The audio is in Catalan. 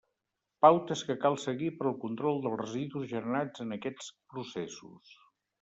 Pautes que cal seguir per al control dels residus generats en aquests processos.